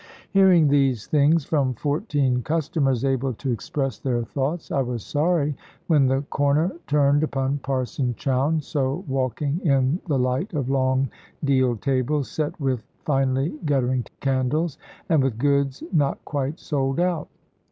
Hearing these things from fourteen customers able to express their thoughts, I was sorry when the corner turned upon Parson Chowne, so walking in the light of long deal tables, set with finely guttering candles, and with goods not quite sold out.